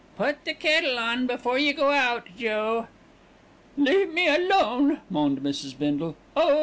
"Put the kettle on before you go out, Joe." "Leave me alone," moaned Mrs. Bindle. "Oh!